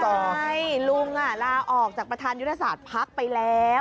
ใช่ลุงลาออกจากประธานยุทธศาสตร์พักไปแล้ว